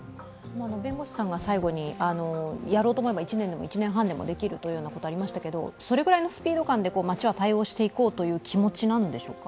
弁護士さんが最後にやろうと思えば１年でも１年半でもできるというような答えがありましたけど、それくらいのスピード感で町は対応していこうという気持ちなんでしょうか？